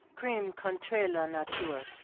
"Crime contre la nature!